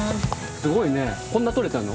すごいねこんなとれたの？